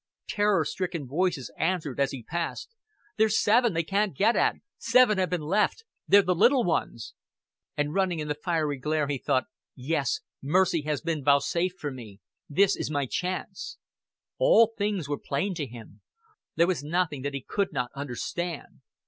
Terror stricken voices answered as he passed. "There's seven they can't get at.... Seven have been left.... They're the little ones." And running in the fiery glare, he thought: "Yes, mercy has been vouchsafed me. This is my chance." All things were plain to him; there was nothing that he could not understand.